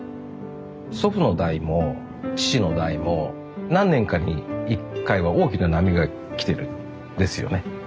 祖父の代も父の代も何年かに一回は大きな波が来てるんですよね。